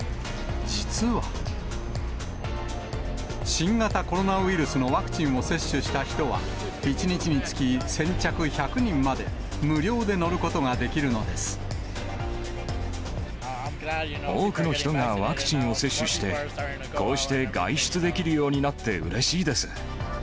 実は、新型コロナウイルスのワクチンを接種した人は１日につき先着１００人まで、多くの人がワクチンを接種して、こうして外出できるようになってうれしいです。